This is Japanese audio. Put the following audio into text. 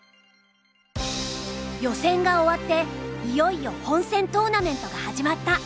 予選が終わっていよいよ本戦トーナメントが始まった。